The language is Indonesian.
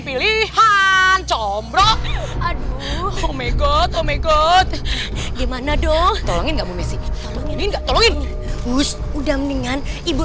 pilihan comrok aduh oh my god oh my god gimana dong tolong enggak mbak misi udah mendingan ibu